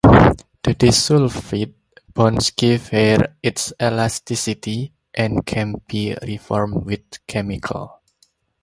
The disulfide bonds give hair its elasticity, and can be reformed with chemicals.